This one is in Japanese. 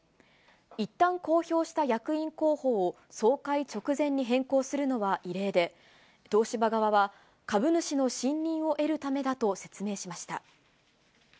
いったん公表した役員候補を総会直前に変更するのは異例で、東芝側は、株主の信任を得るためだと説明しました。